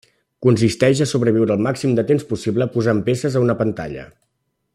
Consisteix a sobreviure el màxim de temps possible posant peces a una pantalla.